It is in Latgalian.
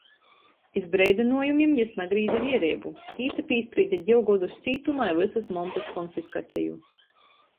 Iz breidynuojumim jis nagrīze viereibu. Tīsa pīsprīde div godus cītumā i vysys montys konfiskaceju.